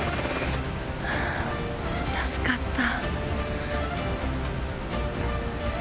助かった。